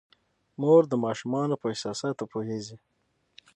مور د ماشومانو په احساساتو پوهیږي.